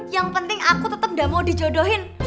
yang penting aku tetap gak mau dijodohin